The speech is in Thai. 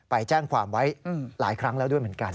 ไปแจ้งความไว้หลายครั้งแล้วด้วยเหมือนกัน